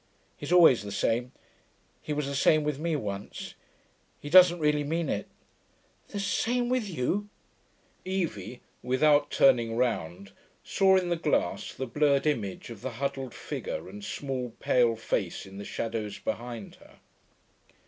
'He's always the same, he was the same with me once, he doesn't really mean it....' 'The same with you ' Evie, without turning round, saw in the glass the blurred image of the huddled figure and small pale face in the shadows behind her.